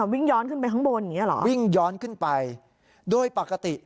วิ่งย้อนขึ้นไปข้างบนอย่างเงี้เหรอวิ่งย้อนขึ้นไปโดยปกติ